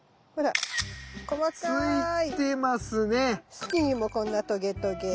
茎にもこんなトゲトゲ。